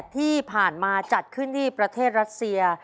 ที่ผ่านมาจัดขึ้นที่ประเทศรัสเซีย